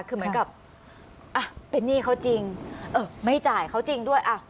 คือเหมือนกับเป็นหนี้เขาจริงเออไม่จ่ายเขาจริงด้วย